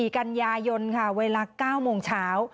๔กันยายนค่ะเวลา๙โมงเช้า